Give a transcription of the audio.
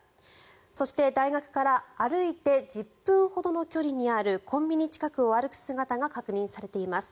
そして大学から歩いて１０分ほどの距離にあるコンビニ近くを歩く姿が確認されています。